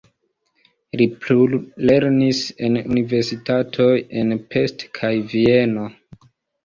Li plulernis en universitatoj en Pest kaj Vieno.